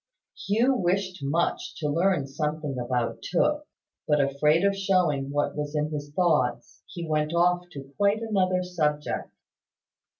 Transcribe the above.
Hugh wished much to learn something about Tooke; but, afraid of showing what was in his thoughts, he went off to quite another subject.